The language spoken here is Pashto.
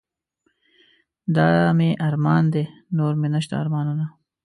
دا مې ارمان دے نور مې نشته ارمانونه